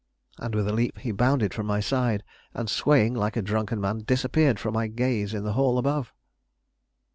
And with a leap, he bounded from my side, and, swaying like a drunken man, disappeared from my gaze in the hall above.